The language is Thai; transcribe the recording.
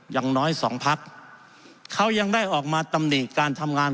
อย่างน้อยสองพักเขายังได้ออกมาตำหนิการทำงาน